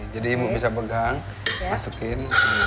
ibu bisa pegang masukin